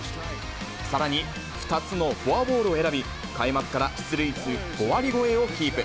さらに、２つのフォアボールを選び、開幕から出塁率５割超えをキープ。